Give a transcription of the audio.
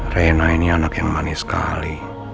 rena ini anak yang manis sekali